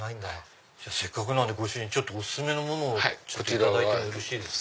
せっかくなのでお薦めのものをいただいてもよろしいですか？